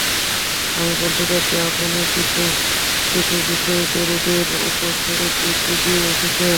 আমি বলতে চাচ্ছি, আপনি কিছু কিছু বিষয় তরুদের ওপর ছেড়ে দিয়ে এসেছেন।